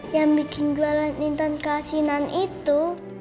yang bikin jualan intan kasinan itu